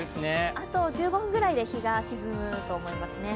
あと１５分ぐらいで日が沈むと思いますね。